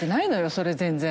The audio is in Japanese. それ全然。